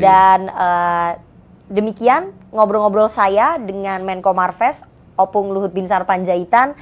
dan demikian ngobrol ngobrol saya dengan menko marves opung luhut bin sarpanjaitan